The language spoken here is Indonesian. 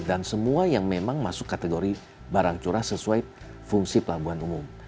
dan semua yang memang masuk kategori barang curah sesuai fungsi pelabuhan umum